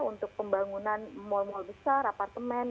untuk pembangunan mal mal besar apartemen